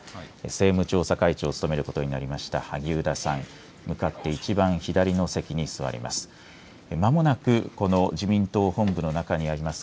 政務調査会長を務めることになりました萩生田さん、向かって一番左の席に座ります。